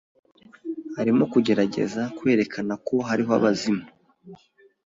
Arimo kugerageza kwerekana ko hariho abazimu.